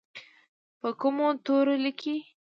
په کومو تورو لیکي؟